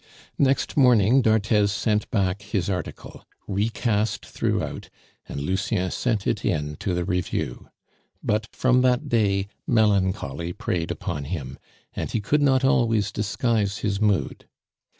Next morning d'Arthez sent back his article, recast throughout, and Lucien sent it in to the review; but from that day melancholy preyed upon him, and he could not always disguise his mood.